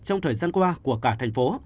trong thời gian qua của cả thành phố